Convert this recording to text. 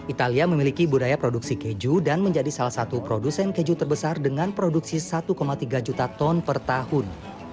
italia memiliki budaya produksi keju dan menjadi salah satu produsen keju terbesar dengan produksi satu tiga juta ton per tahun